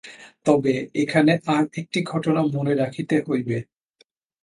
তবে এখানে আর একটি ঘটনা মনে রাখিতে হইবে।